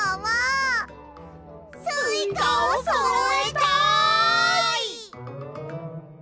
スイカをそろえたい！